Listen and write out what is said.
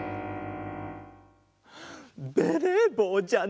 ベレーぼうじゃない！